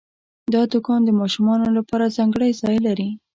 دا دوکان د ماشومانو لپاره ځانګړی ځای لري.